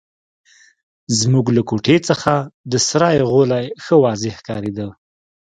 زموږ له کوټې څخه د سرای غولی ښه واضح ښکارېده.